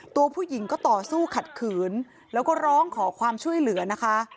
ตัวผู้หญิงก็ต่อสู้ขัดขืนแล้วก็ร้องขอความช่วยเหลือนะคะ